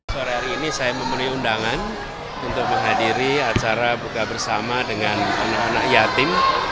sore hari ini saya memenuhi undangan untuk menghadiri acara buka bersama dengan anak anak yatim